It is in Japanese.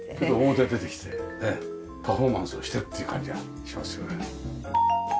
表に出てきてパフォーマンスをしてるっていう感じがしますよね。